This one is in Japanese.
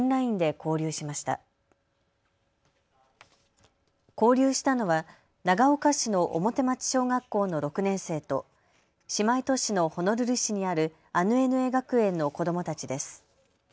交流したのは長岡市の表町小学校の６年生と姉妹都市のホノルル市にあるアヌエヌエ学園の子どもたちです。